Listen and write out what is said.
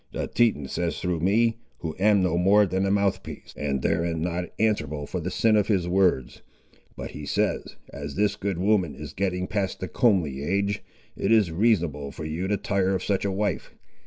The Teton says through me, who am no more than a mouthpiece, and therein not answerable for the sin of his words, but he says, as this good woman is getting past the comely age, it is reasonable for you to tire of such a wife.